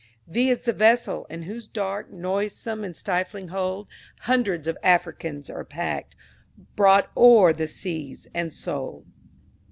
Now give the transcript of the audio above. V is the Vessel, in whose dark, Noisome, and stifling hold, Hundreds of Africans are packed, Brought o'er the seas, and sold.